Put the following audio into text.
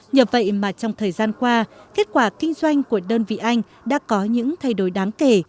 nhờ vậy mà trong thời gian qua kết quả kinh doanh của đơn vị anh đã có những thay đổi đáng kể